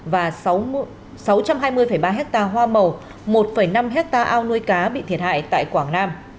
và sáu trăm hai mươi ba hectare hoa màu một năm hectare ao nuôi cá bị thiệt hại tại quảng nam